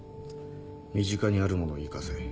「身近にあるものを生かせ。